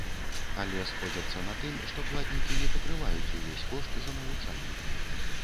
Але сходзяцца на тым, што платнікі не пакрываюць увесь кошт за навучанне.